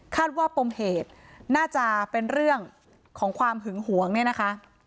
ว่าปมเหตุน่าจะเป็นเรื่องของความหึงหวงเนี่ยนะคะ